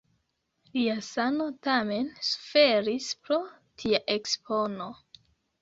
Lia sano tamen suferis pro tia ekspono.